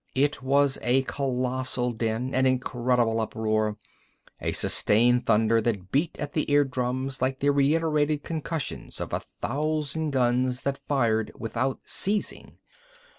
It was a colossal din, an incredible uproar, a sustained thunder that beat at the eardrums like the reiterated concussions of a thousand guns that fired without ceasing.